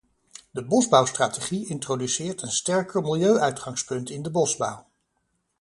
De bosbouwstrategie introduceert een sterker milieu-uitgangspunt in de bosbouw.